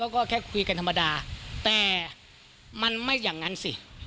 ก็แค่คุยกันธรรมดาแต่มันไม่อย่างนั้นสิ